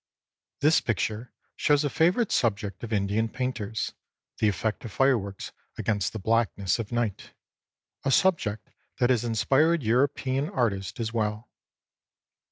This picture shows a favorite subject of Indian painters — the effect of fireworks against the blackness of night, a sub ject that has inspired European artists as well.